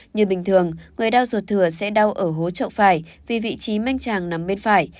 như bình thường người đào ruột thừa sẽ đào ở hố trọng phải vì vị trí manh tràng nằm bên phải